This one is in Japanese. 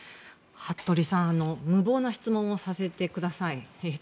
服部さん、無謀な質問をさせてください。